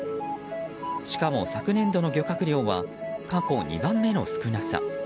しかも、昨年度の漁獲量は過去２番目の少なさ。